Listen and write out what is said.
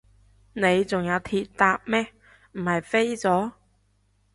你仲有鐵搭咩，唔係飛咗？